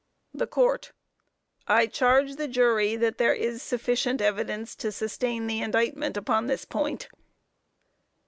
THE COURT: I charge the jury that there is sufficient evidence to sustain the indictment, upon this point.